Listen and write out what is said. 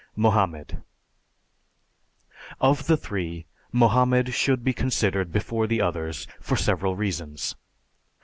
MOHAMMED Of the three, Mohammed should be considered before the others for several reasons.